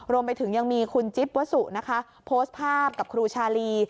รวมไปถึงยังมีคุณจิ๊บวสุนะคะโพสต์ภาพกับครูชาลี